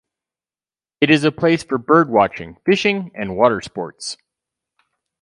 It is a place for bird-watching, fishing and water sports.